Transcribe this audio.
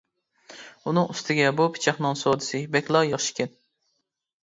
ئۇنىڭ ئۈستىگە بۇ پىچاقنىڭ سودىسى بەكلا ياخشىكەن.